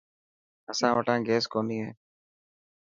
اسان وٽان گيس ڪوني هي.